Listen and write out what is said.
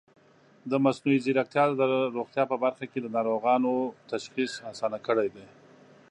مصنوعي ځیرکتیا د روغتیا په برخه کې د ناروغانو تشخیص اسانه کړی دی.